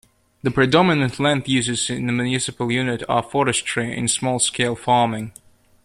The predominant land uses in the municipal unit are forestry and small scale farming.